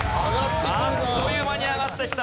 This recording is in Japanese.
あっという間に上がってきた。